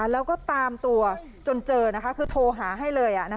แล้วก็ตามตัวจนเจอคือโทรหาให้เลย